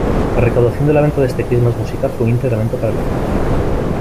La recaudación de la venta de este christmas musical fue íntegramente para la fundación.